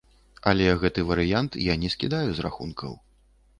Але гэты варыянт я не скідаю з рахункаў.